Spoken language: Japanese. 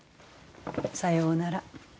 さようなら。